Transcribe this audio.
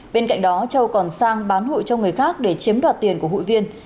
bên cạnh đó châu còn sang bán hụi cho người khác để chiếm đoạt tiền của hụi viên